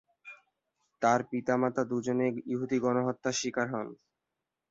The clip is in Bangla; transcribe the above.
তার পিতামাতা দুজনেই ইহুদি গণহত্যার স্বীকার হন।